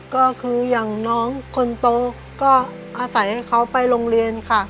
ก็คืออย่างน้องคนโตก็อาศัยให้เขาไปโรงเรียนค่ะ